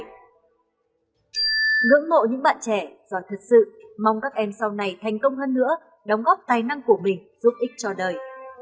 ngưỡng mộ những bạn trẻ do thật sự mong các em sau này thành công hơn nữa đóng góp tài năng của mình giúp ích cho đời